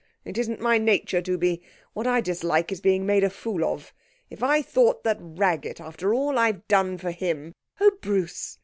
It isn't my nature to be. What I dislike is being made a fool of. If I thought that Raggett, after all I've done for him ' 'Oh, Bruce!